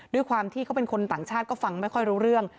ด้วยความที่เขาเป็นคนต่างชาติก็ฟังไม่ค่อยรู้เรื่อง